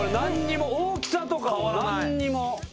大きさとかも何にも。